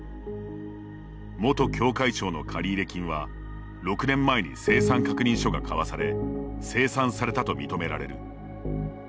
「元教会長の借入金は６年前に清算確認書が交わされ清算されたと認められる」